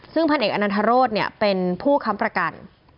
ซึ่งพันเอกอนันทรศเป็นผู้ค้ำประกัน